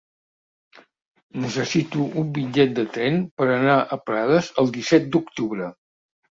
Necessito un bitllet de tren per anar a Prades el disset d'octubre.